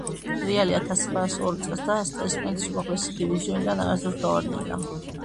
რეალი ათას ცხრაას ორ წელს დაარსდა და ესპანეთის უმაღლესი დივიზიონიდან არასდროს გავარდნილა.